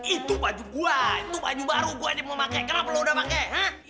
itu baju gua itu baju baru gua ini mau pakai kenapa lo udah pakai